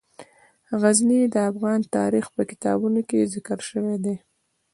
غزني د افغان تاریخ په کتابونو کې ذکر شوی دي.